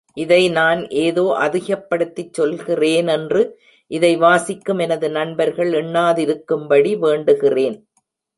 இதை நான் ஏதோ அதிகப்படுத்திச் சொல்கிறே னென்று இதை வாசிக்கும் எனது நண்பர்கள் எண்ணாதிருக்கும் படி வேண்டுகிறேன்.